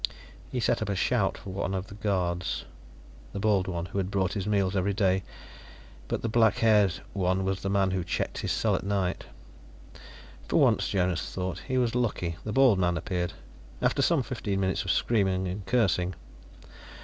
He set up a shout for one of the guards. The bald one had brought his meals every day, but the black haired one was the man who checked his cell at night. For once, Jonas thought, he was lucky; the bald man appeared, after some fifteen minutes of screaming and cursing.